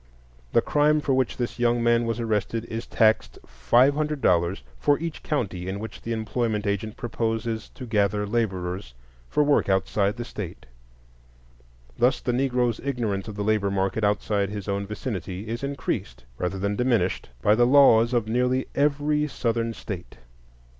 The crime for which this young man was arrested is taxed five hundred dollars for each county in which the employment agent proposes to gather laborers for work outside the State. Thus the Negroes' ignorance of the labor market outside his own vicinity is increased rather than diminished by the laws of nearly every Southern State.